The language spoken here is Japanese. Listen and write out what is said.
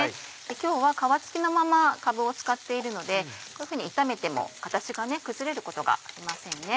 今日は皮付きのままかぶを使っているのでこういうふうに炒めても形が崩れることがありませんね。